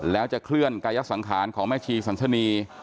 แล้วจะเคลื่อนกายสังขารของแม่ชีสันสนี